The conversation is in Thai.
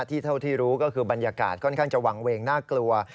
เท่าที่รู้ก็คือบรรยากาศค่อนข้างจะวางเวงน่ากลัว